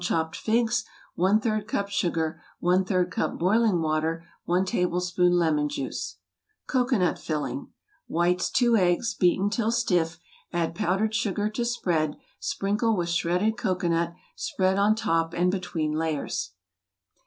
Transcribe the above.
chopped figs y 3 cup sugar % cup boiling wa¬ ter i tablespoon lemon juice Cocoanut Filling Whites 2 eggs beaten till stiff, add powdered sugar to spread, sprinkle with shredded co¬ coanut, spread on top and between layers.